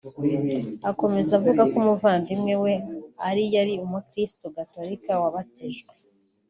Akomeza avuga ko umuvandimwe we ari yari umukirisitu gatolika wabatijwe